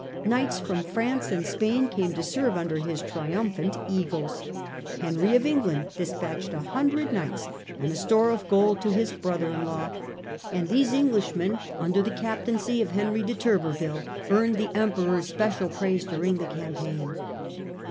Knights from France and Spain came to serve under his triumphant eagles. Henry of England despatched a hundred knights and a store of gold to his brother in law, and these Englishmen, under the captaincy of Henry de Trubeville, earned the Emperor's special praise during the campaign.